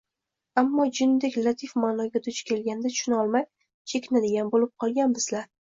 ammo jindek latif ma’noga duch kelganda tushunolmay chekinadigan bo‘lib qolgan bizlar